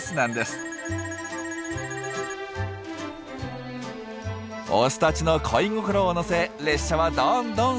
オスたちの恋心を乗せ列車はどんどん進みます。